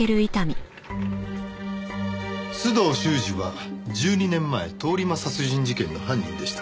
須藤修史は１２年前通り魔殺人事件の犯人でした。